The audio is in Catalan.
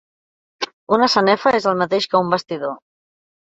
Una sanefa és el mateix que un bastidor.